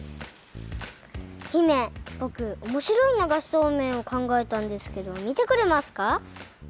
姫ぼくおもしろい流しそうめんを考えたんですけどみてくれますか？